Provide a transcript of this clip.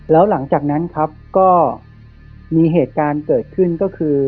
แล้วหลังจากนั้นครับก็มีเหตุการณ์เกิดขึ้นก็คือ